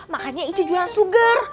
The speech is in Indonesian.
makanya icu jualan suger